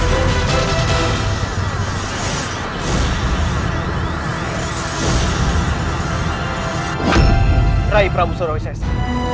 hai raih prabu surawi s a